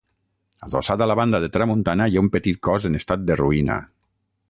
Adossat a la banda de tramuntana hi ha un petit cos en estat de ruïna.